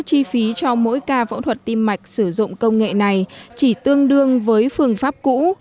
chi phí cho mỗi ca phẫu thuật tim mạch sử dụng công nghệ này chỉ tương đương với phương pháp cũ